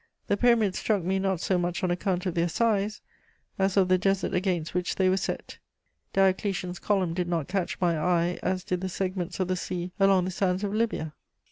The Pyramids struck me not so much on account of their size, as of the desert against which they were set; Diocletian's Column did not catch my eye as did the segments of the sea along the sands of Lybia.